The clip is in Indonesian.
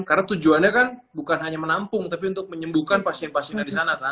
karena tujuannya kan bukan hanya menampung tapi untuk menyembuhkan pasien pasiennya di sana